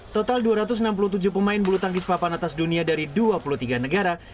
total dua ratus enam puluh tujuh pemain bulu tangkis papan atas dunia dari dua puluh tiga negara